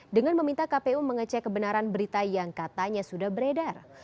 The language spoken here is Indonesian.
dengan meminta kpu mengecek kebenaran berita yang katanya sudah beredar